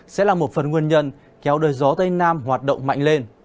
sẽ là một phần nguyên nhân kéo đời gió tây nam hoạt động mạnh lên